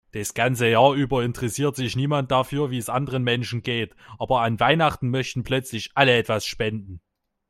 Das ganze Jahr über interessiert sich niemand dafür, wie es anderen Menschen geht, aber an Weihnachten möchten plötzlich alle etwas spenden.